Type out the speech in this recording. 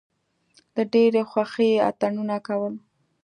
له ډېرې خوښۍ یې اتڼونه کول.